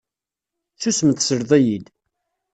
Susem tesleḍ-iyi-d.